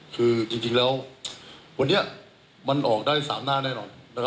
คือจริงแล้ววันนี้มันออกได้๓หน้าแน่นอน